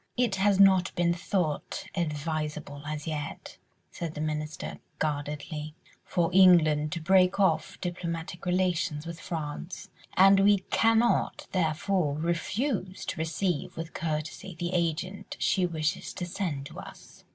"It has not been thought advisable as yet," said the Minister, guardedly, "for England to break off diplomatic relations with France, and we cannot therefore refuse to receive with courtesy the agent she wishes to send to us."